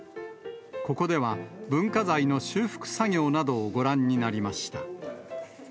ここでは、文化財の修復作業などをご覧になりました。